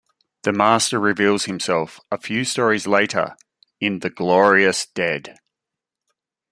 The Master reveals himself a few stories later, in "The Glorious Dead".